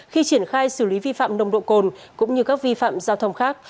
khi triển khai xử lý vi phạm nồng độ cồn cũng như các vi phạm giao thông khác